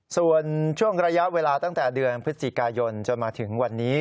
ส่วนช่วงระยะเวลาตั้งแต่เดือนพฤศจิกายนจนมาถึงวันนี้